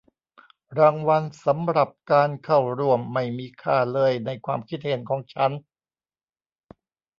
รางวัลสำหรับการเข้าร่วมไม่มีค่าเลยในความคิดเห็นของฉัน